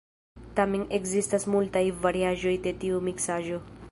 Tamen ekzistas multaj variaĵoj de tiu miksaĵo.